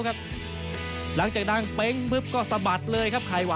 ครับหลังจากดังเป๊้้งพึ๊บก็สบัดเลยครับไขว